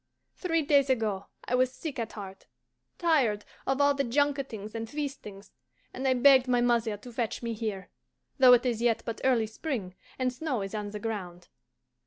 Three days ago I was sick at heart, tired of all the junketings and feastings, and I begged my mother to fetch me here, though it is yet but early spring, and snow is on the ground.